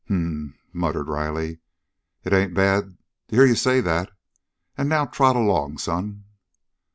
"H'm," muttered Riley. "It ain't bad to hear you say that. And now trot along, son."